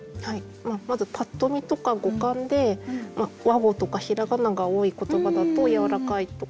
まずパッと見とか語感で和語とか平仮名が多い言葉だとやわらかいとか。